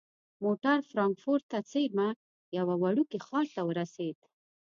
موټر فرانکفورت ته څیرمه یوه وړوکي ښار ته ورسید.